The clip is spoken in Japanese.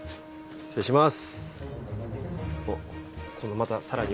失礼します。